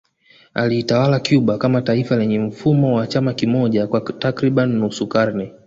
Aliitawala Cuba kama taifa lenye mfumo wa chama kimoja kwa takriban nusu karne